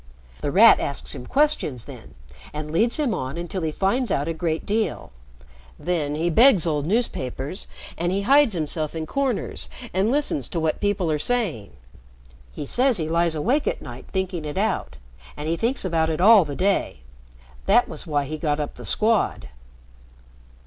The Rat asks him questions then, and leads him on until he finds out a great deal. Then he begs old newspapers, and he hides himself in corners and listens to what people are saying. He says he lies awake at night thinking it out, and he thinks about it all the day. That was why he got up the Squad."